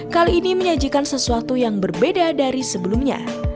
kali ini menyajikan sesuatu yang berbeda dari sebelumnya